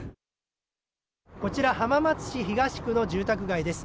こちら、浜松市東区の住宅街です。